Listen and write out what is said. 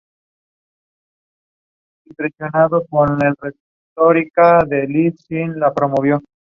El profesor de la escuela pública de Piedrabuena le animó a que siguiera estudiando.